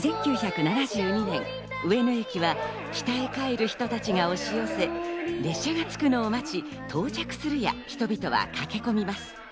１９７２年、上野駅は北へ帰る人たちが押し寄せ、列車が着くのを待ち、到着するや人々は駆け込みます。